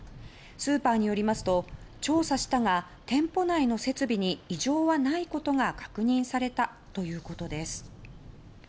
スーパーによりますと調査したが店舗内の設備に異常はないことが確認されたということです。